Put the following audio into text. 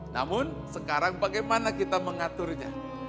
namun sekarang bagaimana kita mengaturnya